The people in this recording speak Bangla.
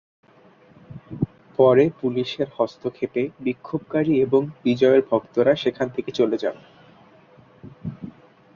পরে পুলিশের হস্তক্ষেপে বিক্ষোভকারী এবং বিজয়ের ভক্তরা সেখান থেকে চলে যান।